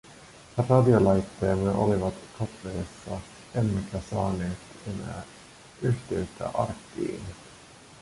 Radiolaitteemme olivat katveessa, emmekä saaneet enää yhteyttä arkkiin.